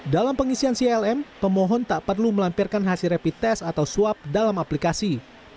dalam pengisian clm pemohon tak perlu melampirkan hasil rapid test atau swab dalam aplikasi